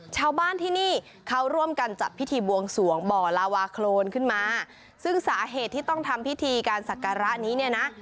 ชาวบ้านที่นี่เขาร่วมกันจัดพิธีบวงสวงบ่อลาวาโครนขึ้นมาซึ่งสาเหตุที่ต้องทำพิธีการศักระนี้เนี่ยนะ